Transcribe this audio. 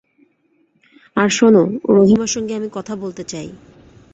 আর শোন, রহিমার সঙ্গে আমি কথা বলতে চাই!